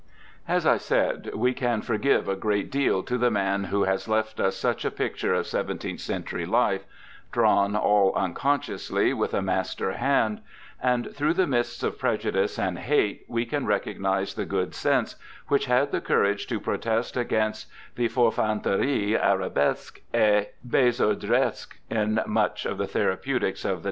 ^ As I said, we can forgive a great deal to the man who has left us such a picture of seventeenth century life, drawn, all unconsciousl}^ with a master hand ; and through the mists of prejudice and hate we can recognize the good sense which had the courage to protest against the forfanterie arabesque et bc'soardcsque in much of the therapeutics of the day.